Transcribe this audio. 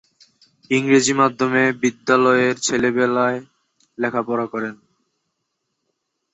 ইংরেজি মাধ্যমে বিদ্যালয়ের ছেলেবেলায় লেখাপড়া করেন।